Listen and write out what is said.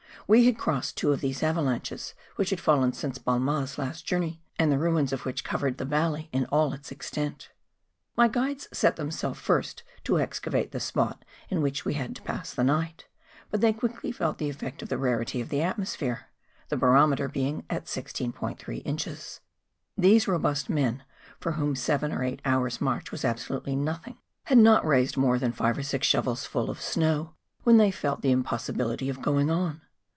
We had crossed two of these avalanches which had fallen since Balmat's last journey, and the ruins of which covered the valley in all its extent. My guides set themselves first to excavate the spot in which we had to pass the night; but they quickly felt the effect of the rarity of the atmo¬ sphere (the barometer being at 16*3 inches). These robust men, for whom seven or eight hours' march was absolutely nothing, had not raised more than five or six shovelfuls of snow when they felt the impossibility of going on.